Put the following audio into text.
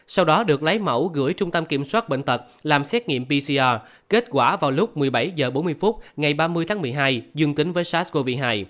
sau đó được lấy mẫu gửi trung tâm kiểm soát bệnh tật làm xét nghiệm pcr kết quả vào lúc một mươi bảy h bốn mươi phút ngày ba mươi tháng một mươi hai dương tính với sars cov hai